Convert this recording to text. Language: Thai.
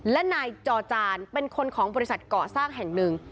และนายจอจานเป็นคนของบริษัทเกาะสร้างแห่งหนึ่ง